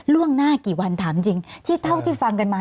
ล่วงหน้ากี่วันถามจริงที่เท่าที่ฟังกันมา